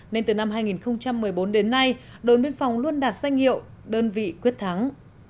nên từ năm hai nghìn một mươi bốn đến nay đồn biên phòng luôn đạt danh hiệu đơn vị quyết thắng